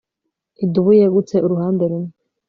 idubu yegutse uruhande rumwe